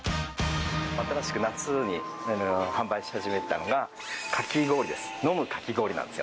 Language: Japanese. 新しく夏に販売し始めたのがかき氷です。